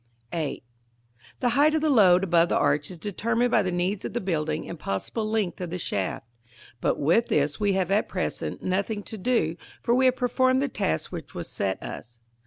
§ VIII. The height of the load above the arch is determined by the needs of the building and possible length of the shaft; but with this we have at present nothing to do, for we have performed the task which was set us.